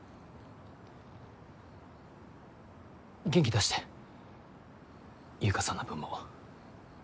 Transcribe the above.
元気出して優香さんの分も。